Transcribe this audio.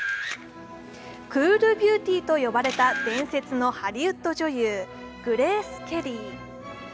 クール・ビューティーと呼ばれた伝説のハリウッド女優、グレース・ケリー。